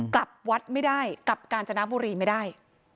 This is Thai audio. กลับวัดไม่ได้กลับกาญจนบุรีไม่ได้